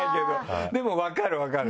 でも分かる分かる！